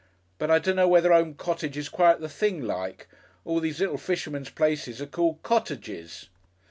But I dunno whether 'Ome Cottage is quite the thing like. All these little fishermen's places are called Cottages."